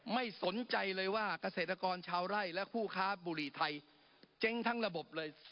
ไม่สนใจเลยว่าเกษตรกรชาวไร่และผู้ค้าบุหรี่ไทยเจ๊งทั้งระบบเลย